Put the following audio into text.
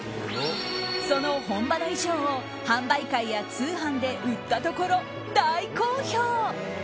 その本場の衣装を販売会や通販で売ったところ、大好評。